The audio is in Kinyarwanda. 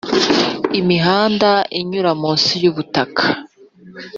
imihanda inyura munsi y ubutaka